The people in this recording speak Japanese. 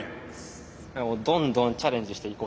どんどんチャレンジしていこうと思います。